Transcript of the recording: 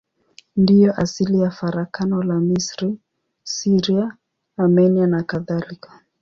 Ndiyo asili ya farakano la Misri, Syria, Armenia nakadhalika.